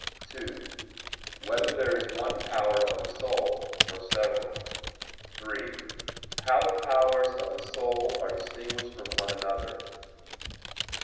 (2) Whether there is one power of the soul, or several? (3) How the powers of the soul are distinguished from one another?